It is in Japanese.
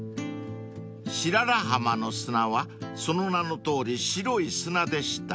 ［白良浜の砂はその名のとおり白い砂でした］